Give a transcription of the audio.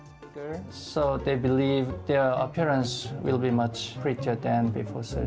jadi mereka percaya kelihatannya akan lebih cantik daripada sebelum penyakit